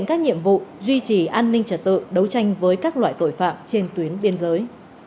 kỷ an ninh trật tự đấu tranh với các loại tội phạm trên tuyến biên giới